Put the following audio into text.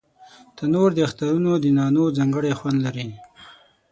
تنور د اخترونو د نانو ځانګړی خوند لري